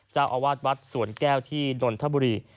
เจ้าอาวาสวัดสวนแก้วที่นนทบุรี